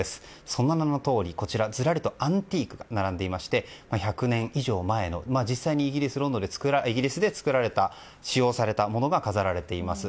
その名のとおり、ずらりとアンティークが並んでいまして１００年以上前の実際にイギリスで作られた、使用されたものが飾られています。